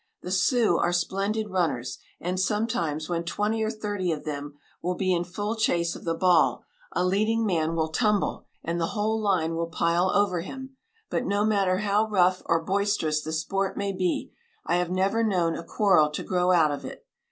The Sioux are splendid runners, and sometimes when twenty or thirty of them will be in full chase of the ball, a leading man will tumble, and the whole line will pile over him; but no matter how rough or boisterous the sport may be, I have never known a quarrel to grow out of it.